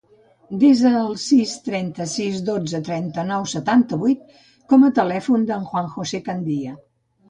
Desa el sis, trenta-sis, dotze, trenta-nou, setanta-vuit com a telèfon del Juan josé Candia.